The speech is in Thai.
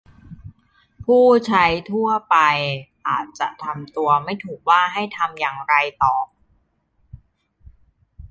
ผู้ใช้ทั่วไปอาจจะทำตัวไม่ถูกว่าให้ทำอย่างไรต่อ